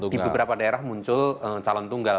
di beberapa daerah muncul calon tunggal